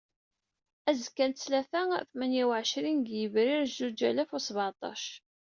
Azekka n ttlata tmara u εecrin deg yebrir zuǧ alaf u seεṭac.